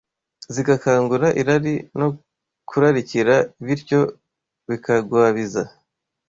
zigakangura irari no kurarikira, bityo bikagwabiza